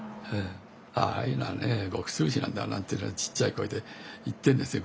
「ああいうのはね穀潰しなんだ」なんてちっちゃい声で言ってんですよ。